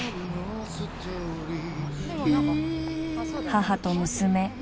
［母と娘］